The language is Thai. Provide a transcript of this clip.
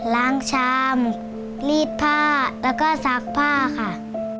ชามรีดผ้าแล้วก็ซักผ้าค่ะ